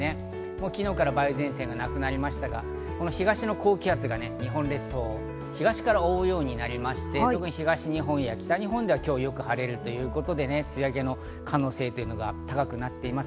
昨日から梅雨前線がなくなりましたが、東の高気圧が日本列島を東から覆うようになりまして東日本や北日本では今日、よく晴れるということで梅雨明けの可能性が高くなっています。